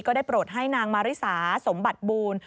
ได้โปรดให้นางมาริสาสมบัติบูล